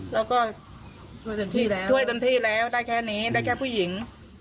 เราก็ช่วยจนที่แล้วช่วยจนที่แล้วได้แค่นี้ได้แค่ผู้หญิง